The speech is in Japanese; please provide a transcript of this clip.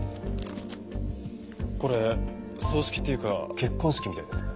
これ葬式っていうか結婚式みたいですね。